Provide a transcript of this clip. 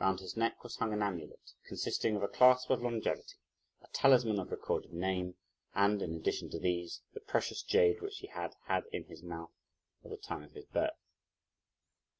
Round his neck was hung an amulet, consisting of a clasp of longevity, a talisman of recorded name, and, in addition to these, the precious jade which he had had in his mouth at the time of his birth.